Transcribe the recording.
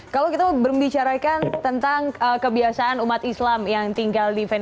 kalau kita berbicara tentang kebiasaan umat islam yang tinggal